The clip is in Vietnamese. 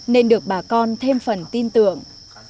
nên được bà con thêm phần tin tưởng